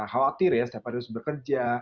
khawatir ya setiap hari harus bekerja